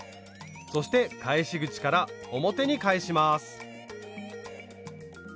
そして返し口から表に返します。